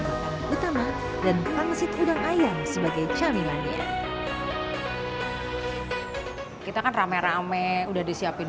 makanan utama dan pangsit udang ayam sebagai camilannya kita kan rame rame udah disiapin